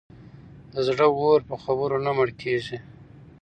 د زړه اور په خبرو نه مړ کېږي.